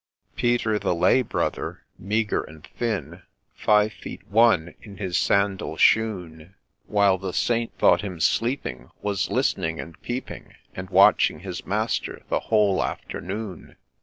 Peter, the Lay brother, meagre and thin, Five feet one in his sandal shoon, While the Saint thought him sleeping, Was listening and peeping, And watching his master the whole afternoon.